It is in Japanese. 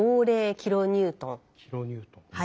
キロニュートン。